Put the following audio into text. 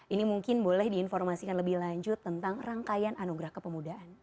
ini mungkin boleh diinformasikan lebih lanjut tentang rangkaian anugerah kepemudaan